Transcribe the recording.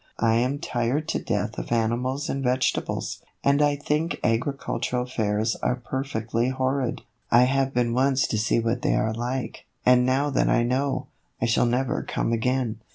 I am tired to death of animals and vegetables, and I think agricultural fairs are per fectly horrid. I have been once to see what they are like, and now that I know, I shall never come again."